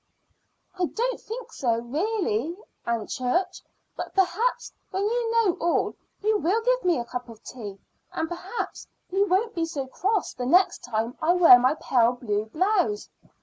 "I don't think so, really, Aunt Church; but perhaps when you know all you will give me a cup of tea, and perhaps you won't be so cross the next time I wear my pale blue blouse."